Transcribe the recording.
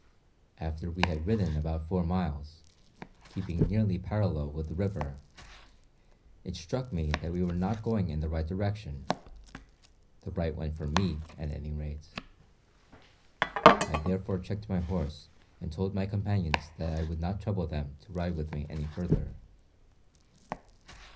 After we had ridden about four miles, keeping nearly parallel with the river, it struck me that we were not going in the right direction the right one for me, at any rate. I therefore checked my horse and told my companions that I would not trouble them to ride with me any further.